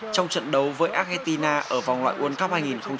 trong trận đấu với argentina ở vòng loại uân cấp hai nghìn một mươi tám